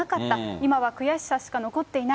今は悔しさしか残っていない。